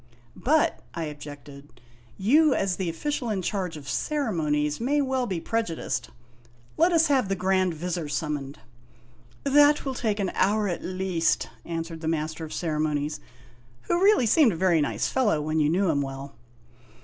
"But," I objected, "you as the official in charge of ceremonies may well be prejudiced. Let us have the Grand Vizir summoned." "That will take an hour, at least," answered the Master of Cere monies, who really seemed a very nice fellow when you knew him well.